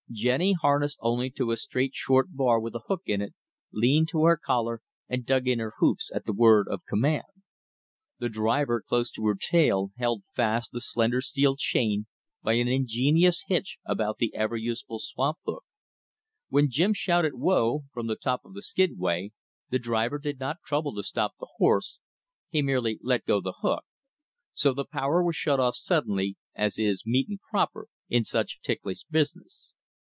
Jenny, harnessed only to a straight short bar with a hook in it, leaned to her collar and dug in her hoofs at the word of command. The driver, close to her tail, held fast the slender steel chain by an ingenious hitch about the ever useful swamp hook. When Jim shouted "whoa!" from the top of the skidway, the driver did not trouble to stop the horse, he merely let go the hook. So the power was shut off suddenly, as is meet and proper in such ticklish business.